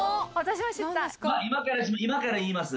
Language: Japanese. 今から言います。